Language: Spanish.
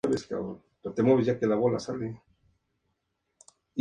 Su infancia transcurrió entre el conventillo que habitaba y las pilas de diarios.